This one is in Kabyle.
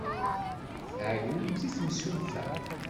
Tɛeyynemt i temsulta.